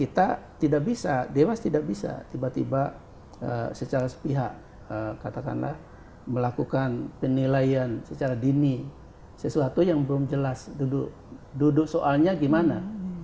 kita tidak bisa dewas tidak bisa tiba tiba secara sepihak katakanlah melakukan penilaian secara dini sesuatu yang belum jelas duduk soalnya gimana